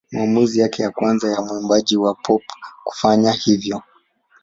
Maamuzi yake ya kwanza ya mwimbaji wa pop kufanya hivyo.